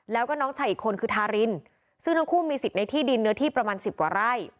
แล้วก็น้องชายอีกคนคือทารินซึ่งทั้งคู่มีสิทธิ์ในที่ดินเนื้อที่ประมาณสิบกว่าไร่